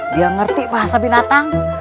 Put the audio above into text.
dia ngerti bahasa binatang